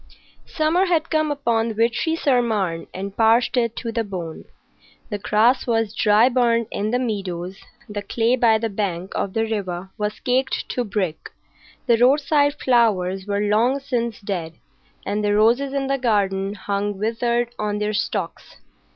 Summer had come upon Vitry sur Marne and parched it to the bone. The grass was dry burnt in the meadows, the clay by the bank of the river was caked to brick, the roadside flowers were long since dead, and the roses in the garden hung withered on their stalks.